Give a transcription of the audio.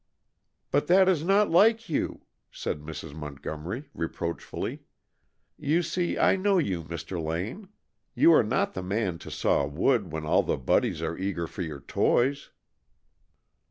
"But that is not like you!" said Mrs. Montgomery reproachfully. "You see I know you, Mr. Lane! You are not the man to saw wood when all the Buddys are eager for your toys."